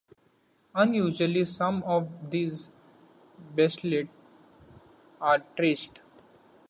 Unusually some of these Bastles are terraced.